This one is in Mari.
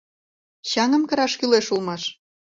Чаҥым кыраш кӱлеш улмаш?